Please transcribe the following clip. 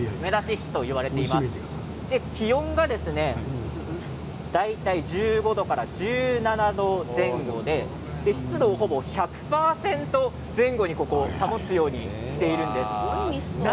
気温が大体１５度から１７度前後で湿度はほぼ１００％前後に保つようにしているんです。